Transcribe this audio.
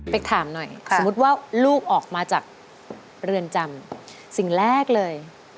ถามหน่อยสมมุติว่าลูกออกมาจากเรือนจำสิ่งแรกเลย